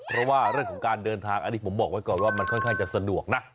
เพราะว่าเรื่องของการเดินทางอันนี้ผมบอกไว้ก่อนว่ามันค่อนข้างจะสะดวกนะ